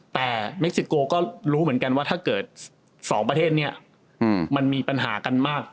แต่เม็กซิโกก็รู้เหมือนกันว่าถ้าเกิด๒ประเทศนี้มันมีปัญหากันมาก